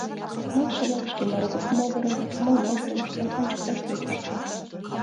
Модшо-влак шке могырым мом моштымыштым ончыкташ тӧчышт.